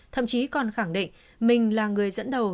thậm chí còn khẳng định mình là người dẫn đầu